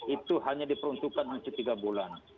itu hanya diperuntukkan untuk tiga bulan